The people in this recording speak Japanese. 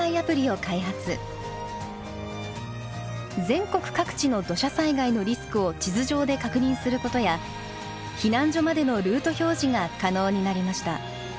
全国各地の土砂災害のリスクを地図上で確認することや避難所までのルート表示が可能になりました。